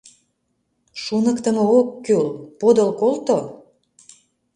— Шуныктымо ок кӱл, подыл колто!